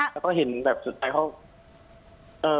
แล้วก็เห็นแบบสุดท้ายเขา